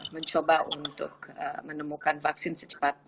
mencoba untuk menemukan vaksin secepatnya